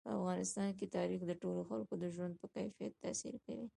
په افغانستان کې تاریخ د ټولو خلکو د ژوند په کیفیت تاثیر کوي.